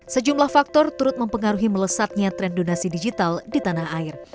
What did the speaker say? sejumlah faktor turut mempengaruhi melesatnya tren donasi digital di tanah air